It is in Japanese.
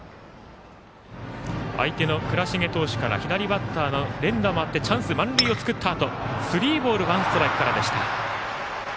相手の倉重投手から左バッターの連打もあって、チャンス満塁を作ったあとスリーボールワンストライクからでした。